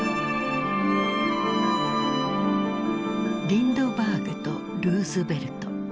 リンドバーグとルーズベルト。